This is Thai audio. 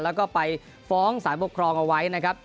แล้วก็ไปฟ้องสารปกครองเอาไว้นะครับ